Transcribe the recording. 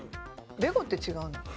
レゴって違うのかな？